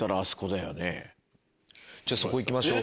じゃあそこ行きましょう。